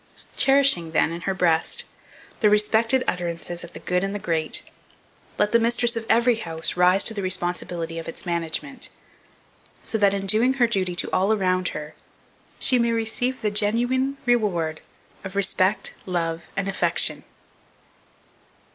Cherishing, then, in her breast the respected utterances of the good and the great, let the mistress of every house rise to the responsibility of its management; so that, in doing her duty to all around her, she may receive the genuine reward of respect, love, and affection!